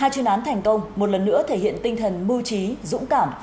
hai chuyên án thành công một lần nữa thể hiện tinh thần mưu trí dũng cảm